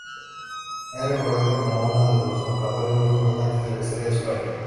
Es recordado como uno de los oradores más importantes de la historia de España.